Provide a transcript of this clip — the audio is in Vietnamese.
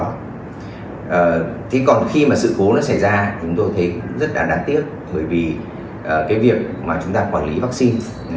thế còn khi mà sự cố nó xảy ra chúng tôi thấy cũng rất là đáng tiếc bởi vì cái việc mà chúng ta quản lý vaccine